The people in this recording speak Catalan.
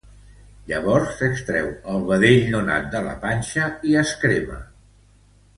Llavors, s'extrau el vedell nonat de la panxa i es crema.